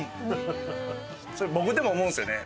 それ僕でも思うんですよね。